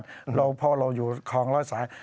ชาวานห้องอยู่รอยสาย